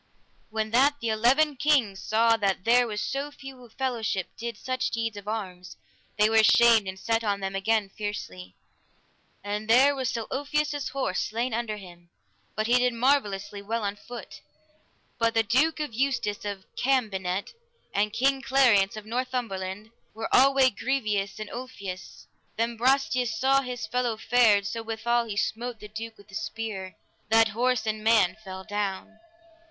When that the eleven kings saw that there was so few a fellowship did such deeds of arms, they were ashamed and set on them again fiercely; and there was Sir Ulfius's horse slain under him, but he did marvellously well on foot. But the Duke Eustace of Cambenet and King Clariance of Northumberland, were alway grievous on Ulfius. Then Brastias saw his fellow fared so withal he smote the duke with a spear, that horse and man fell down.